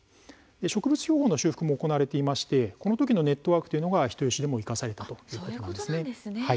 植物標本の修復も行われていましてこの時のネットワークが人吉でも生かされたということです。